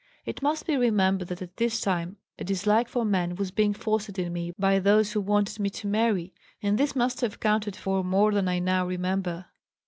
It must be remembered that at this time a dislike for men was being fostered in me by those who wanted me to marry, and this must have counted for more than I now remember.